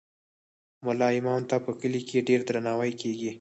ملا امام ته په کلي کې ډیر درناوی کیږي.